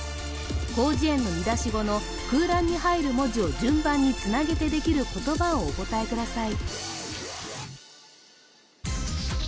広辞苑の見出し語の空欄に入る文字を順番につなげてできる言葉をお答えください